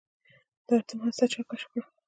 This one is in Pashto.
د اتوم هسته چا کشف کړه.